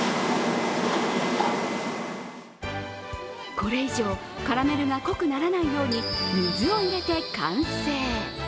これ以上、カラメルが濃くならないように水を入れて完成。